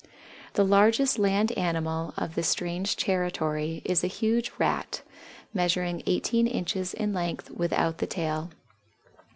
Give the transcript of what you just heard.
The largest land animal of this strange territory is a huge Rat, measuring eighteen inches in length without the tail.